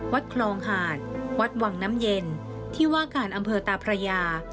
วัดคลองหาดวัดวังน้ำเย็นที่ว่าการอำเภอตาพระยา